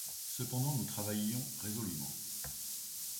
Cependant, nous travaillions résolument.